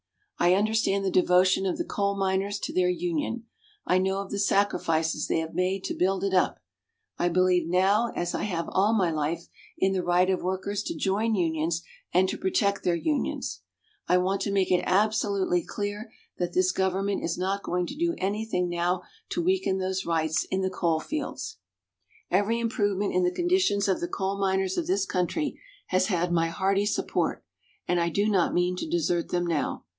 I understand the devotion of the coal miners to their union. I know of the sacrifices they have made to build it up. I believe now, as I have all my life, in the right of workers to join unions and to protect their unions. I want to make it absolutely clear that this government is not going to do anything now to weaken those rights in the coal fields. Every improvement in the conditions of the coal miners of this country has had my hearty support, and I do not mean to desert them now.